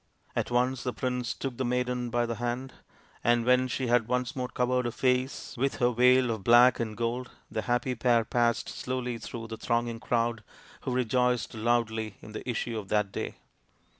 At once the prince took the maiden by the hand, and when she had once more covered her face with her veil of black and gold the THE PRINCE WONDERFUL 171 happy pair passed slowly through the thronging crowd, who rejoiced loudly in the issue of that day.